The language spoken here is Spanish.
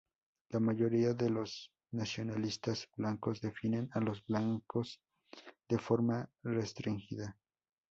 La mayoría de los nacionalistas blancos definen a los blancos de forma restringida.